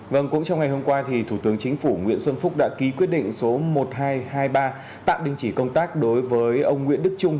vâng cũng trong ngày hôm qua thì thủ tướng chính phủ nguyễn xuân phúc đã ký quyết định số một nghìn hai trăm hai mươi ba tạm đình chỉ công tác đối với ông nguyễn đức trung